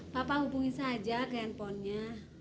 papa hubungin saja ke handphonenya